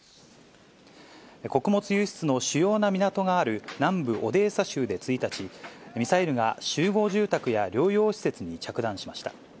穀物輸出の主要な港がある南部オデーサ州で１日、ミサイルが集合住宅や療養施設に着弾しました。